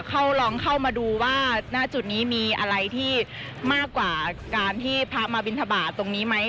เขาลองเข้ามาดูว่าหน้าจุดนี้มีอะไรที่มากกว่าการที่พระมาบินทบาทตรงนี้ไหม